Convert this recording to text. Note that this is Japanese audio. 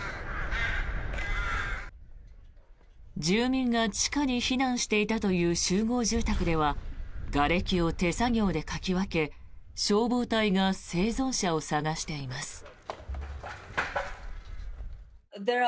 住民が地下に避難していたという集合住宅ではがれきを手作業でかき分け消防隊が生存者を捜しています。